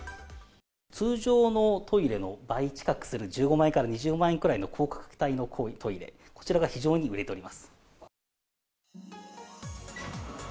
通常のトイレの倍近くする１５万円から２０万円くらいの高価格帯のトイレ、こちらが非常に売れております。